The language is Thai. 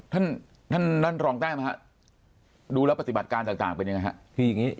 ท่านนั่นรองแต้มดูแล้วปฏิบัติการต่างเป็นยังไงครับ